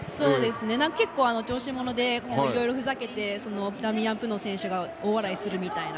結構お調子者でいろいろふざけてダミアン・プノ選手が大笑いするみたいな。